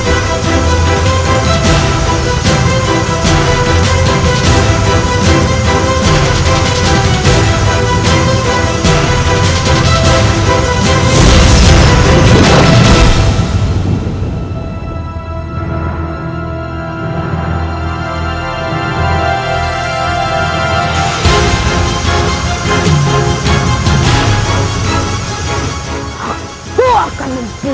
aku akan mempunyai